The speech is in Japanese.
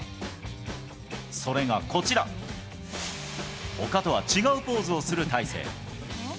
それがこちら、ほかとは違うポーズをする大勢。